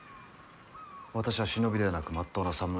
私は忍びではなくまっとうなさむら。